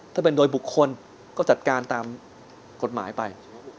ถ้าเป็นโดยบุคคลก็จัดการตามกฎหมายไป